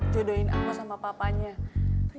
terima kasih b